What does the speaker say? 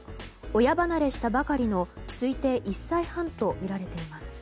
親離れしたばかりの推定１歳半とみられています。